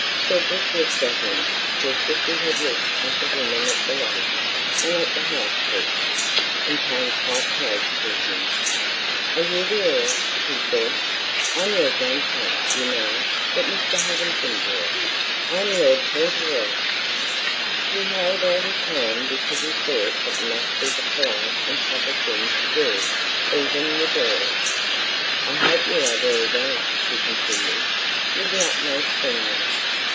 Cedric looked at him just as he had looked at the woman at the lodge and at the housekeeper, and came quite close to him. "Are you the Earl?" he said. "I'm your grandson, you know, that Mr. Havisham brought. I'm Lord Fauntleroy." He held out his hand because he thought it must be the polite and proper thing to do even with earls. "I hope you are very well," he continued, with the utmost friendliness.